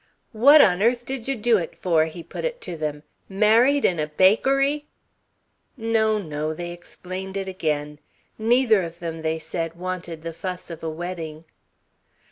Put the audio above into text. "What on earth did you do it for?" he put it to them. "Married in a bakery " No, no. They explained it again. Neither of them, they said, wanted the fuss of a wedding.